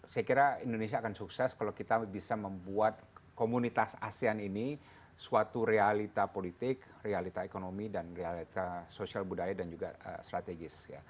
saya kira indonesia akan sukses kalau kita bisa membuat komunitas asean ini suatu realita politik realita ekonomi dan realita sosial budaya dan juga strategis